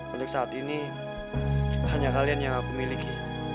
untuk saat ini hanya kalian yang aku miliki